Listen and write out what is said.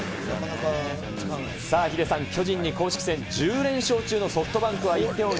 さあ、ヒデさん、巨人に公式戦１０連勝中のソフトバンクは１点を追う